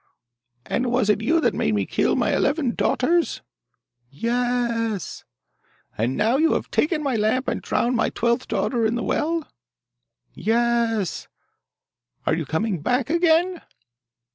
'And it was you that made me kill my eleven daughters?' 'Ye e s!' 'And now you have taken my lamp, and drowned my twelfth daughter in the well?' 'Ye e s!' 'Are you coming back again?